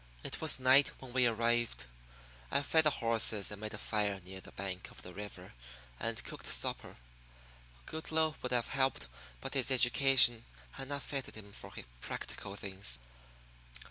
It was night when we arrived. I fed the horses and made a fire near the bank of the river and cooked supper. Goodloe would have helped, but his education had not fitted him for practical things.